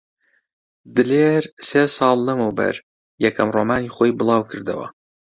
دلێر سێ ساڵ لەمەوبەر یەکەم ڕۆمانی خۆی بڵاو کردەوە.